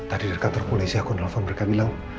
tadi dari kantor polisi aku nelfon mereka bilang